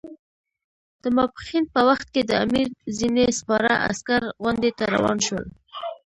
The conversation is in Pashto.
د ماپښین په وخت کې د امیر ځینې سپاره عسکر غونډۍ ته روان شول.